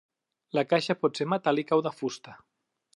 La caixa pot ser metàl·lica o de fusta.